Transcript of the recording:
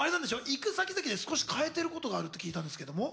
行く先々で少し変えていることがあると聞いたんですけども。